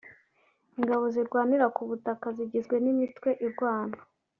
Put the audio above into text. Ingabo zirwanira ku butaka zigizwe n’imitwe irwana